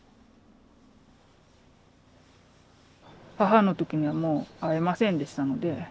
母の時にはもう会えませんでしたので。